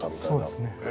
そうですね。